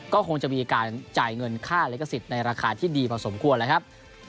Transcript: ก็คงจะมีการจ่ายเงินค่าลิขสิทธิ์ในราคาที่ดีพอสมควรแล้วครับ